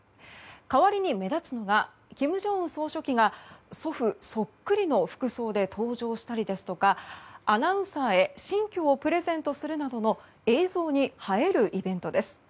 代わりに目立つのは金正恩総書記が祖父そっくりの服装で登場したりですとかアナウンサーへ新居をプレゼントするなどの映像に映えるイベントです。